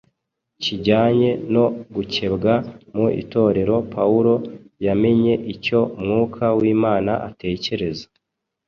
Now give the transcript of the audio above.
kijyanye no gukebwa mu Itorero Pawulo yamenye icyo Mwuka w’Imana atekereza